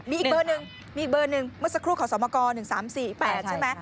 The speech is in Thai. มีอีกเบอร์หนึ่งเมื่อสักครู่ขอสมก๑๓๔๘ใช่ไหม